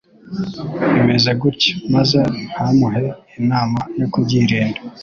imeze gutya, maze ntamuhe inama yo kubyirinda,